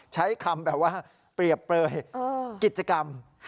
ใช้คำแบบว่าเปรียบเปลยกิจกรรม